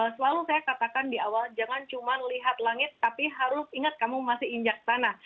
selalu saya katakan di awal jangan cuma lihat langit tapi harus ingat kamu masih injak tanah